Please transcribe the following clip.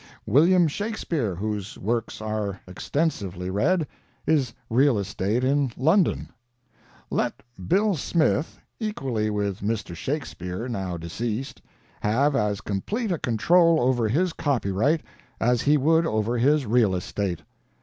William Shakespeare, whose works are extensively read, is real estate in London. Let Bill Smith, equally with Mr. Shakespeare now deceased, have as complete a control over his copyright as he would over his real estate.